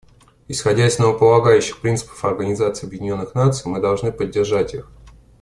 Исходя из основополагающих принципов Организации Объединенных Наций, мы должны поддержать их.